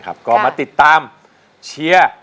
หนูรู้สึกดีมากเลยค่ะ